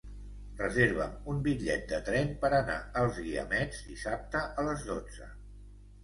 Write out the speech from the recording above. Reserva'm un bitllet de tren per anar als Guiamets dissabte a les dotze.